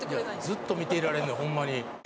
「ずっと見ていられんのよホンマに」